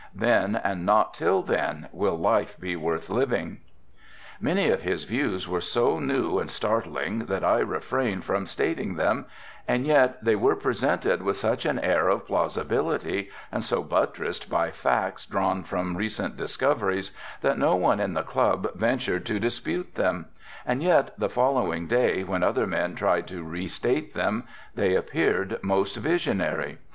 Then and not till then will life be worth living." Many of his views were so new and startling that I refrain from stating them, and yet they were presented with such an air of plausibility and so butressed by facts drawn from recent discoveries, that no one in the club ventured to dispute them, and yet the following day when other men tried to restate them, they appeared most visionary.